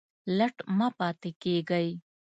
لټ مه پاته کیږئ